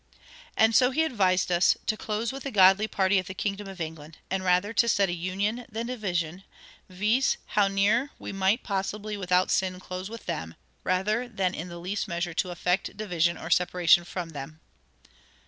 And so he advised us to close with the godly party of the kingdom of England, and rather to study union than division, viz., how near we might possibly without sin close with them, rather than in the least measure to affect division or separation from them."